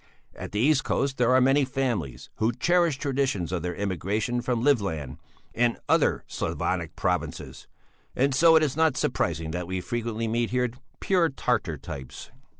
At the East coast there are many families who cherish traditions of their immigration from Livland and other Slavonic provinces, and so it is not surprising that we frequently meet here pure Tartar types.